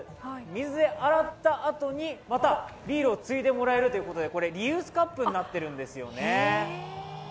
水で洗ったあとにまたビールをついでもらえるということでリユースカップになっているんですよね。